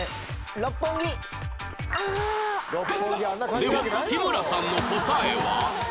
では日村さんの答えは？